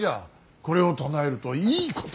これを唱えるといいことがある。